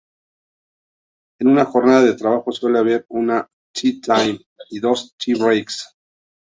En una jornada de trabajo suele haber un "tea time" y dos "tea breaks".